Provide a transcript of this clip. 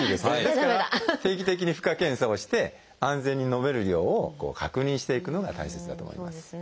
ですから定期的に負荷検査をして安全に飲める量を確認していくのが大切だと思います。